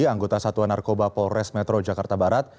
anggota satuan narkoba polres metro jakarta barat